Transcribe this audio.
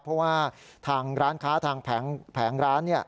เพราะว่าทางร้านค้าทางแผงร้าน